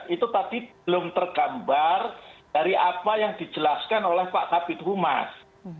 itu tadi belum tergambar dari apa yang dijelaskan oleh pak kabit humas